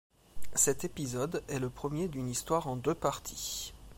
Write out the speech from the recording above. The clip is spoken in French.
Cet épisode est le premier d'une histoire en deux parties.